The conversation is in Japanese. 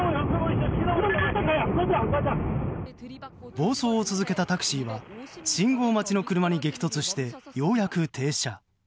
暴走を続けたタクシーは信号待ちの車に激突してようやく停車。